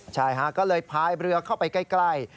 ใช่ฮะก็เลยพายเรือเข้าไปใกล้